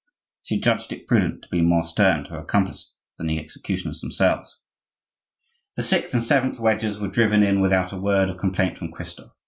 She judged it prudent to be more stern to her accomplice than the executioners themselves. The sixth and seventh wedges were driven in without a word of complaint from Christophe.